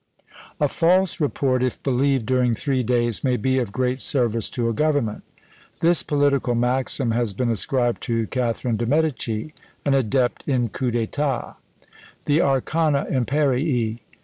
"A false report, if believed during three days, may be of great service to a government." This political maxim has been ascribed to Catharine de' Medici, an adept in coups d'état, the arcana imperii!